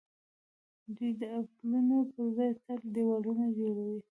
دوی د پلونو پر ځای تل دېوالونه جوړوي.